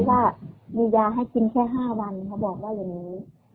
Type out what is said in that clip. ว่ามียาให้กินแค่๕วันเขาบอกว่าอย่างนี้